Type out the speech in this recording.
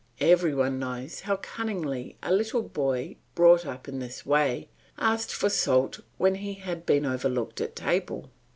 Every one knows how cunningly a little boy brought up in this way asked for salt when he had been overlooked at table.